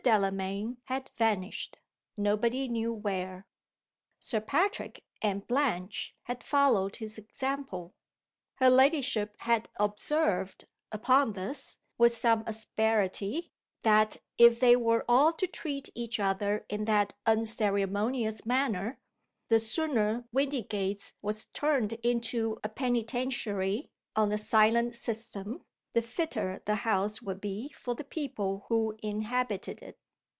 Delamayn had vanished, nobody knew where. Sir Patrick and Blanche had followed his example. Her ladyship had observed, upon this, with some asperity, that if they were all to treat each other in that unceremonious manner, the sooner Windygates was turned into a Penitentiary, on the silent system, the fitter the house would be for the people who inhabited it.